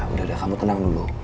udah deh kamu tenang dulu